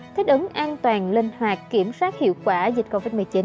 thích ứng an toàn linh hoạt kiểm soát hiệu quả dịch covid một mươi chín